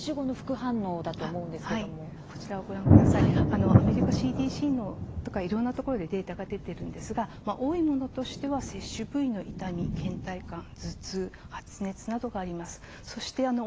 やはり皆さん気になるのがアメリカのＣＤＣやいろいろなところでデータが出ているんですが、こういうもので多いものは接種部位の痛みけん怠感、頭痛発熱などがあります。